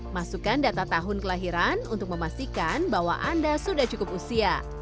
masukkan data tahun kelahiran untuk memastikan bahwa anda sudah cukup usia